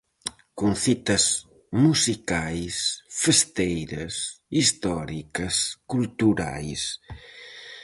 Con citas musicais, festeiras, históricas, culturais...